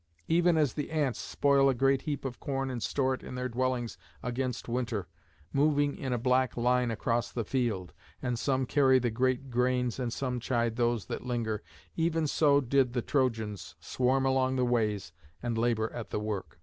Even as the ants spoil a great heap of corn and store it in their dwellings against winter, moving in a black line across the field, and some carry the great grains, and some chide those that linger, even so did the Trojans swarm along the ways and labour at the work.